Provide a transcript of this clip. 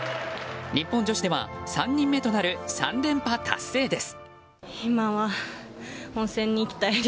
日本女子では３人目となる３連覇達成です。